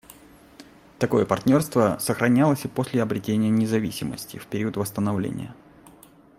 Такое партнерство сохранялось и после обретения независимости, в период восстановления.